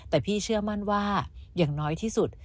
แต่พี่เชื่อมั่นว่าอย่างน้อยที่สุด